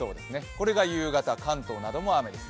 これが夕方、関東なども雨です。